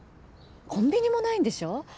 コンビニもないんでしょ？